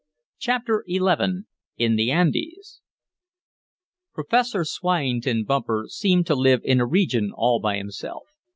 Chapter XI In the Andes Professor Swyington Bumper seemed to live in a region all by himself.